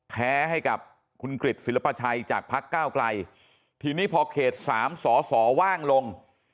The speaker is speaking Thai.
แพ้ให้กับคุณกฤษศิลปชัยจากภาคเก้าไกลทีนี้พอเขต๓สอว่างลง